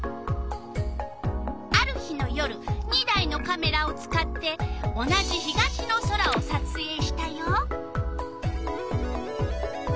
ある日の夜２台のカメラを使って同じ東の空をさつえいしたよ。